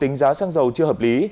tính giá xăng dầu chưa hợp lý